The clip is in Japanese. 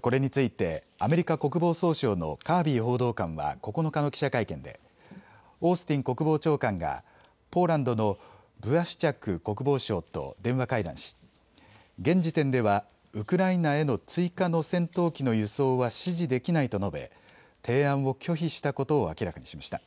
これについてアメリカ国防総省のカービー報道官は９日の記者会見でオースティン国防長官がポーランドのブワシュチャク国防相と電話会談し現時点ではウクライナへの追加の戦闘機の輸送は支持できないと述べ、提案を拒否したことを明らかにしました。